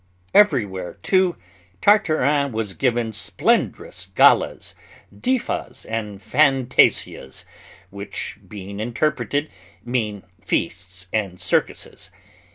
Everywhere, too, Tartarin was given splendrous galas, diffas, and fantasias, which, being interpreted, mean feasts and circuses.